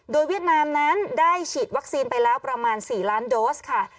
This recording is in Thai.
โดยเวียดนามนั้นได้ฉีดวัคซีนไปแล้วประมาณ๔ล้านโดสค่ะ